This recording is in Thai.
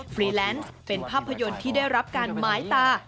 ฟรีแลนซ์เป็นภาพยนตร์ที่ได้รับการหมายตา